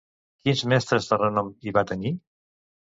Quins mestres de renom hi va tenir?